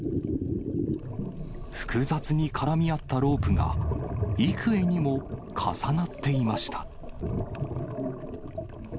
複雑に絡み合ったロープが、幾重にも重なっていました。